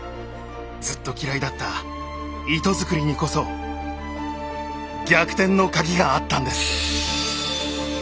ずっと嫌いだった糸づくりにこそ逆転の鍵があったんです。